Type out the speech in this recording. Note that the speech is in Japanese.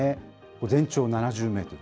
全長７０メートル。